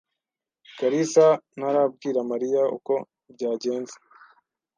kalisa ntarabwira Mariya uko byagenze?